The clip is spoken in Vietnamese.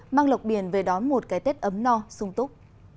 mang lộc biển về đón một cái tết ấm no sung túc